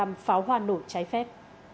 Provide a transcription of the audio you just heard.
pháo hoàn nổi trái phép